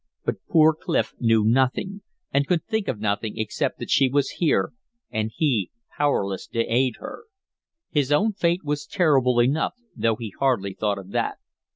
But poor Clif knew nothing, and could think of nothing except that she was here, and he powerless to aid her. His own fate was terrible enough, though he hardly thought of that.